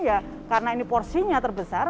ya karena ini porsinya terbesar